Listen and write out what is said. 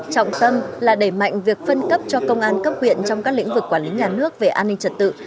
trọng tâm là đẩy mạnh việc phân cấp cho công an cấp huyện trong các lĩnh vực quản lý nhà nước về an ninh trật tự